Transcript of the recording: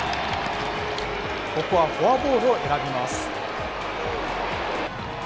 ここはフォアボールを選びます。